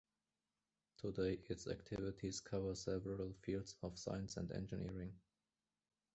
Today, its activities cover several fields of science and engineering.